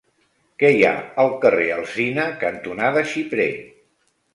Què hi ha al carrer Alzina cantonada Xiprer?